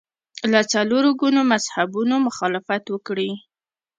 له څلور ګونو مذهبونو مخالفت وکړي